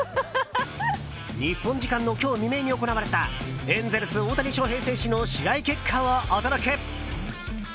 日本時間の今日未明に行われたエンゼルス、大谷翔平選手の試合結果をお届け。